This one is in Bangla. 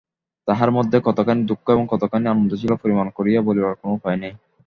তাহার মধ্যে কতখানি দুঃখ এবং কতখানি আনন্দ ছিল পরিমাণ করিয়া বলিবার কোনো উপায় নাই।